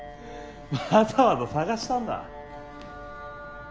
わざわざ探したんだ？